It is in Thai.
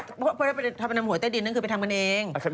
ถ้าไปนำหวยใต้ดินนั้นก็ไปทำกันเอง